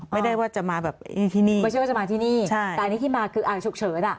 ไม่ได้ว่าจะมาแบบที่นี่ไม่ได้ว่าจะมาที่นี่แต่ที่นี่ที่มาคืออาชุกเฉิน